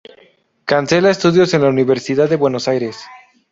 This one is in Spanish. Cancela estudió en la Universidad de Buenos Aires.